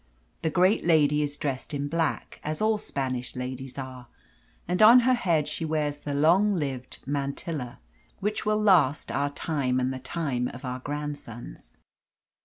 The great lady is dressed in black, as all Spanish ladies are, and on her head she wears the long lived mantilla, which will last our time and the time of our grandsons.